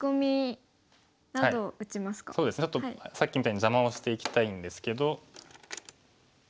ちょっとさっきみたいに邪魔をしていきたいんですけど。